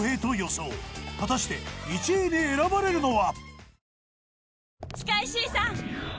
果たして１位に選ばれるのは。